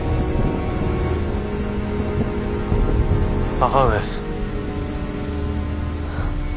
母上。